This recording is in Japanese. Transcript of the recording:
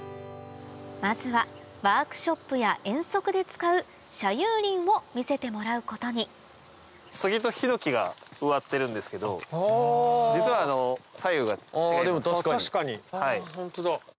まずはワークショップや遠足で使う社有林を見せてもらうことにスギとヒノキが植わってるんですけど実は左右が違います。